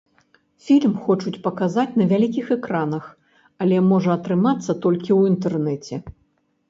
Фільм хочуць паказаць на вялікіх экранах, але можа атрымацца толькі ў інтэрнэце.